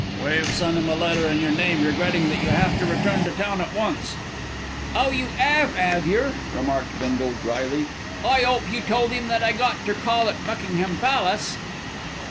"We've sent him a letter in your name regretting that you have to return to town at once." "Oh, you 'ave, 'ave yer?" remarked Bindle drily. "I 'ope you told 'im that I got ter call at Buckingham Palace."